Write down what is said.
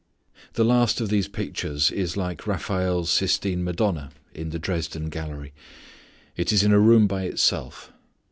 The last of these pictures is like Raphael's Sistine Madonna in the Dresden gallery; it is in a room by itself.